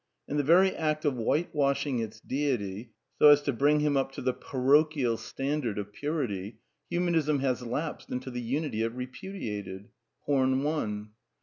In the very act of whitewashing its deity so as to bring him up to the paro PEAGMATISM AND HUMANISM 147 ^_^ ial standard of purity, Humanism has lapsed into the I unity it repudiated. Horn one.